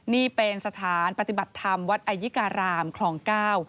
นี่เป็นสถานปฏิบัติธรรมวัดอายุการามคลองเก้า